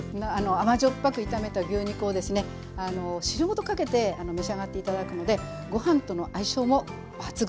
甘塩っぱく炒めた牛肉をですね汁ごとかけて召し上がって頂くのでご飯との相性も抜群です。